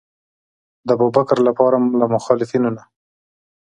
ده د ابوبکر لپاره له مخالفینو نه.